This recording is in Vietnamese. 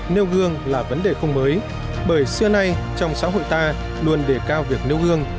nêu gương là vấn đề không mới bởi xưa nay trong xã hội ta luôn đề cao việc nêu gương